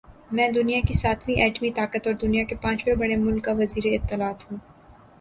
میں دنیا کی ساتویں ایٹمی طاقت اور دنیا کے پانچویں بڑے مُلک کا وزیراطلاعات ہوں